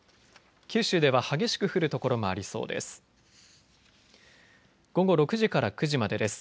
九州では激しく降る所もありそうです。